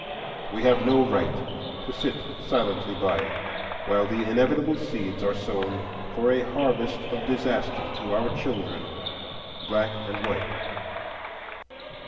We have no right to sit silently by while the inevitable seeds are sown for a harvest of disaster to our children, black and white.